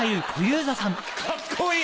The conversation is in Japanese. カッコいい！